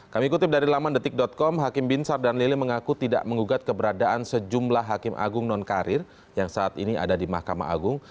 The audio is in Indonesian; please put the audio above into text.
kami kutip dari laman detik com hakim binsar dan lili mengaku tidak mengugat keberadaan sejumlah hakim agung nonkarir yang saat ini ada di mahkamah agung